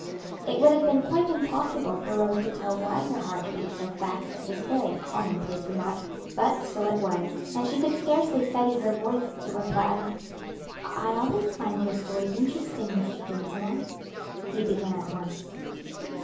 It would have been quite impossible for Rose to tell why her heart beat so fast at this very commonplace remark, but so it was; and she could scarcely steady her voice to reply, "I always find your stories interesting, Mr. Dinsmore." He began at once.